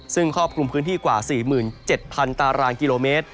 ซึ่งครอบคลุมพื้นที่กว่า๔๗๐๐ตารางกิโลเมตร